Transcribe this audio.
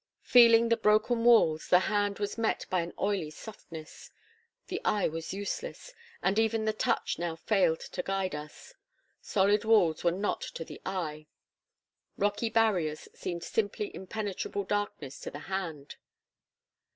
Feeling the broken walls, the hand was met by an oily softness; the eye was useless, and even the touch now failed to guide us. Solid walls were not to the eye; rocky barriers seemed simply impenetrable darkness to the hand.